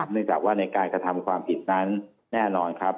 เนื่องจากว่าในการกระทำความผิดนั้นแน่นอนครับ